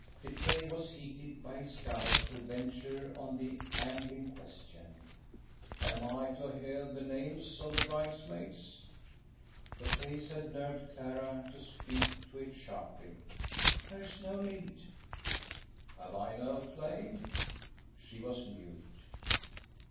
De Craye was heated by his gallop to venture on the angling question: "Am I to hear the names of the bridesmaids?" The pace had nerved Clara to speak to it sharply: "There is no need." "Have I no claim?" She was mute.